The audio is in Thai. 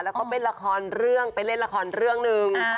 แล้วก็เป็นละครเรื่องไปเล่นละครเรื่องหนึ่ง